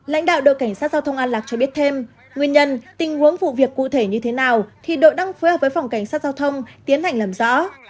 lãnh đạo đội cảnh sát giao thông an lạc cho biết thêm nguyên nhân tình huống vụ việc cụ thể như thế nào thì đội đang phối hợp với phòng cảnh sát giao thông tiến hành làm rõ